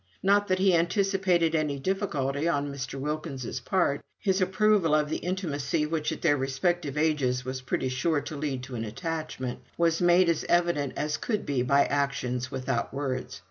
Not that he anticipated any difficulty on Mr. Wilkins's part; his approval of the intimacy which at their respective ages was pretty sure to lead to an attachment, was made as evident as could be by actions without words.